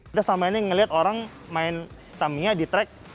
kita selama ini melihat orang main tamiah di track